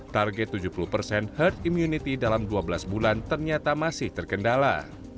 target tujuh puluh persen herd immunity dalam dua belas bulan ternyata masih terkendala